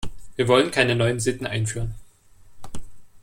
Wir wollen keine neuen Sitten einführen.